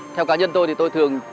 theo cá nhân tôi thì tôi thường